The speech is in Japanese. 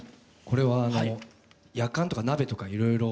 これはやかんとか鍋とかいろいろ。